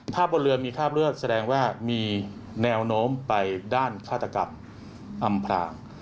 ถ้าบนเรือมีคราบเลือดแสดงว่ามีแนวโน้มไปด้านฆาตกรรมอำพราง